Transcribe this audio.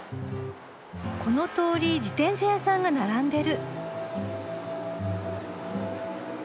この通り自転車屋さんが並んでる。